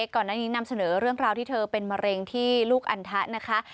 ก่อนหน้านี้นำเสนอเรื่องราวที่เธอเป็นมะเร็งที่ลูกอันทะนะคะ